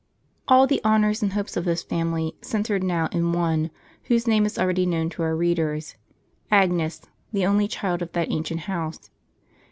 * All the honors and the hopes of this family centred now in one, whose name is already known to our readers, Agnes, the only child of that ancient house.